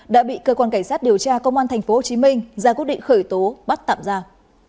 đã bị cơ quan cảnh sát điều tra công an tp hcm ra quyết định khởi tố bắt tạm giam